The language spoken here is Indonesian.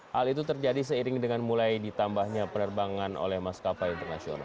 hal itu terjadi seiring dengan mulai ditambahnya penerbangan oleh maskapai internasional